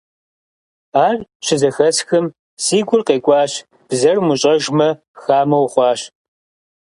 Ар щызэхэсхым, си гур къекӀуащ, бзэр умыщӀэжмэ, хамэ ухъуащ.